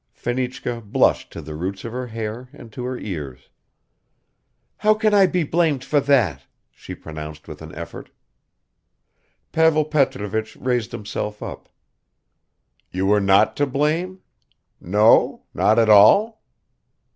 Fenichka blushed to the roots of her hair and to her ears. "How can I be blamed for that?" she pronounced with an effort. Pavel Petrovich raised himself up. "You were not to blame? No? Not at all?"